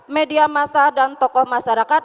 media masa dan tokoh masyarakat